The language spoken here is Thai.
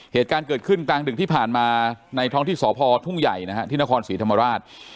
เหตุการณ์เกิดขึ้นกลางดึกที่ผ่านมาในท้องที่สพทุ่งใหญ่นะฮะที่นครศรีธรรมราช